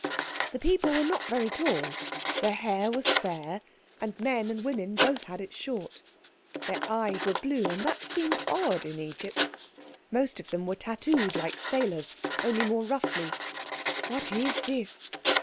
The people were not very tall, their hair was fair, and men and women both had it short. Their eyes were blue, and that seemed odd in Egypt. Most of them were tattooed like sailors, only more roughly. "What is this?